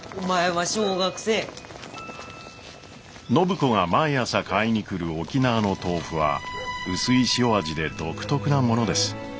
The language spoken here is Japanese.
暢子が毎朝買いにくる沖縄の豆腐は薄い塩味で独特なものです。